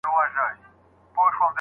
نو ګټه کوي.